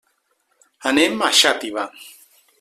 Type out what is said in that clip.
Anem a Xàtiva.